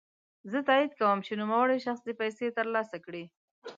زه تاييد کوم چی نوموړی شخص دي پيسې ترلاسه کړي.